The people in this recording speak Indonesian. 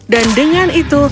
dan dengan itu